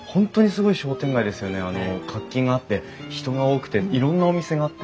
活気があって人が多くていろんなお店があって。